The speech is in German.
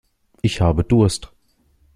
Ich habe Durst.